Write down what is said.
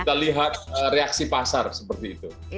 kita lihat reaksi pasar seperti itu